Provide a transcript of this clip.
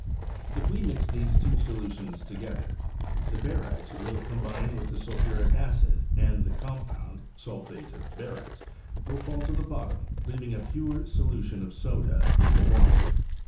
If we mix these two so lutions together. The barytes will combine with 160 BISToar OS CHEUUTBr. the sulphuric acid and the compound (sulphate of bari/tes) will fall to the bottom, leaving a pure so lution of soda in the water.